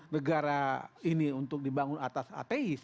negara ini untuk dibangun atas ateis